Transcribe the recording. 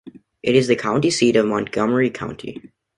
It is the county seat of Montgomery County.